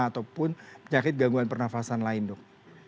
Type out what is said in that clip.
ataupun penyakit gangguan pernafasan lain dok